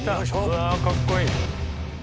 うわかっこいい。